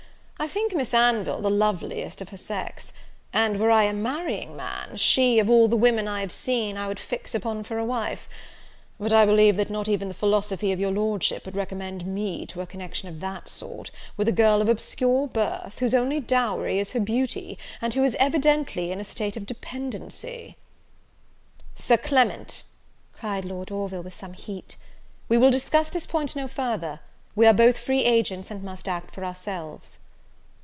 I think Miss Anville the loveliest of her sex; and, were I a marrying man, she, of all the women I have seen, I would fix upon for a wife: but I believe that not even the philosophy of your Lordship would recommend me to a connection of that sort, with a girl of obscure birth, whose only dowry is her beauty, and who is evidently in a state of dependency." "Sir Clement," cried Lord Orville, with some heat, "we will discuss this point no further; we are both free agents, and must act for ourselves."